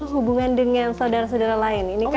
hubungan dengan saudara saudara lain ini kan